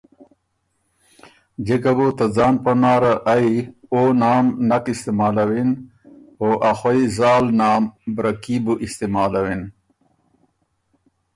جِکه بُو ته ځان پناره ائ او نام نک استعمالَوِن او ا خوئ زال نام ”برکي“ بُو استعمالوِن۔